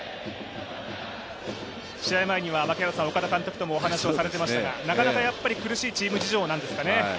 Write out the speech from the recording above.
試合前には槙原さん、岡田監督ともお話されていましたからなかなか苦しいチーム事情なんですかね？